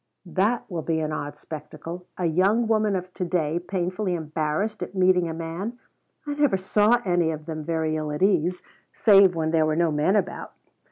"That will be an odd spectacle a young woman of to day 'painfully embarrassed' at meeting a man. I never saw any of them very ill at ease, save when there were no men about."